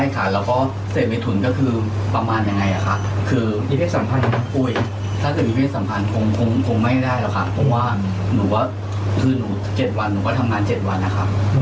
คงไม่ได้หรอกค่ะเพราะว่าหนูว่าคือหนูเจ็ดวันหนูก็ทำงานเจ็ดวันนะคะ